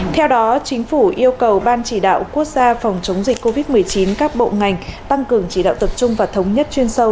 theo đó chính phủ yêu cầu ban chỉ đạo quốc gia phòng chống dịch covid một mươi chín các bộ ngành tăng cường chỉ đạo tập trung và thống nhất chuyên sâu